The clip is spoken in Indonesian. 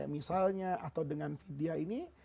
misalnya atau dengan vidya ini